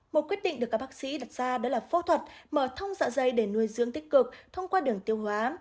một quyết định được các bác sĩ đặt ra đó là phẫu thuật mở thông dạ dây để nuôi dưỡng tích cực thông qua đường tiêu hóa